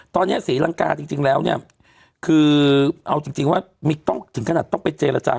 ตอนนี้ศรีลังกาจริงแล้วเนี่ยคือเอาจริงว่าต้องถึงขนาดต้องไปเจรจา